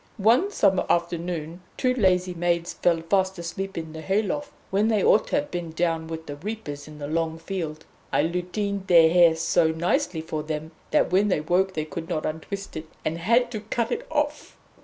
One summer afternoon two lazy maids fell fast asleep in the hay loft, when they ought to have been down with the reapers in the long field. I lutined their hair so nicely for them that when they woke they could not untwist it, and had to cut it off!